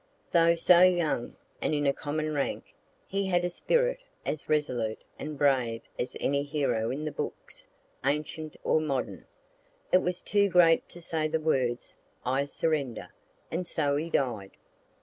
Though so young, and in a common rank, he had a spirit as resolute and brave as any hero in the books, ancient or modern It was too great to say the words "I surrender" and so he died.